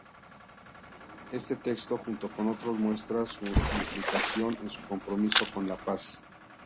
Este texto, junto con otros muestra su implicación en su compromiso con la paz.